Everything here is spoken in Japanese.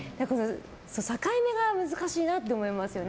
境目が難しいなと思いますよね。